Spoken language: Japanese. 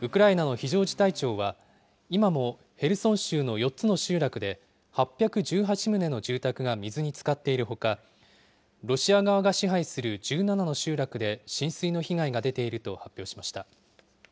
ウクライナの非常事態庁は、今もヘルソン州の４つの集落で、８１８棟の住宅が水につかっているほか、ロシア側が支配する１７の集落で浸水の被害が出ていると発表しました。